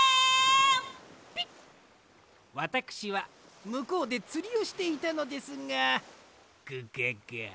ピッわたくしはむこうでつりをしていたのですがグガガ。